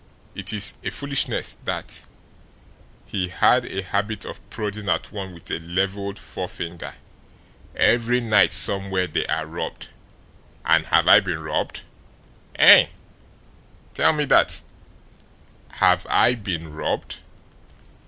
It is a foolishness, that" he had a habit of prodding at one with a levelled fore finger "every night somewhere they are robbed, and have I been robbed? HEIN, tell me that; have I been robbed?"